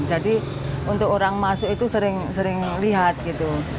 jadi untuk orang masuk itu sering lihat gitu